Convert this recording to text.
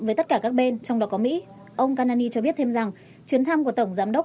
với tất cả các bên trong đó có mỹ ông kanani cho biết thêm rằng chuyến thăm của tổng giám đốc